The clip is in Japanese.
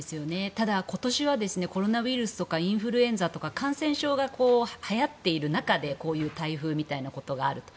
ただ、今年はコロナウイルスとかインフルエンザとか感染症がはやっている中でこういう台風みたいなことがある。